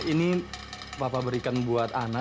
ini bapak berikan buat ana